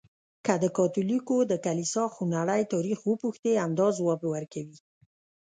که د کاتولیکو د کلیسا خونړی تاریخ وپوښتې، همدا ځواب ورکوي.